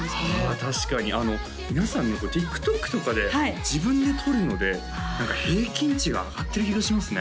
あ確かに皆さんＴｉｋＴｏｋとかで自分で撮るので平均値が上がってる気がしますね